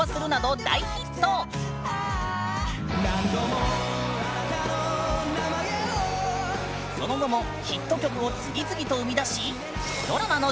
何度もあなたの名前をその後もヒット曲を次々と生み出し